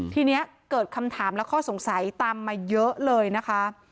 ทีนี้เกิดคำถามและข้อสงสัยตามมาเยอะเลยนะคะ